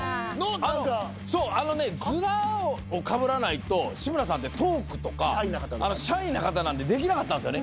そうヅラをかぶらないと志村さんってトークとかシャイな方なんでできなかったんですよね。